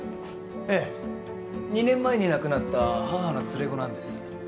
ええ２年前に亡くなった母の連れ子なんです。